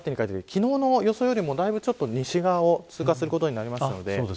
昨日の予想よりもだいぶ西側を通過することになりました。